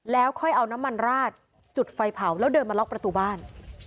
แล้วค่อยเอาน้ำมันราดจุดไฟเผาแล้วเดินมาล็อกประตูบ้าน